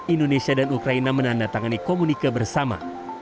indonesia dan ukraina menandatangani komunike bersama